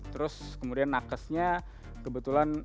terus kemudian nakesnya kebetulan